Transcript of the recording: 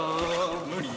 無理。